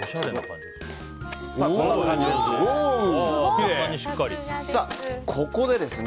こんな感じですね。